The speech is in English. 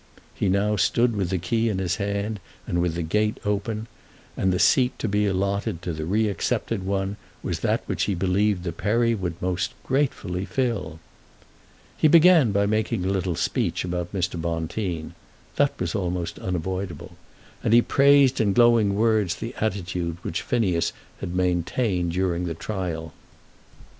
He now stood with the key in his hand and the gate open, and the seat to be allotted to the re accepted one was that which he believed the Peri would most gratefully fill. He began by making a little speech about Mr. Bonteen. That was almost unavoidable. And he praised in glowing words the attitude which Phineas had maintained during the trial.